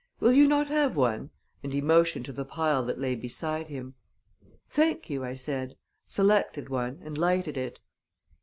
Will you not have one?" and he motioned to the pile that lay beside him. "Thank you," I said, selected one, and lighted it.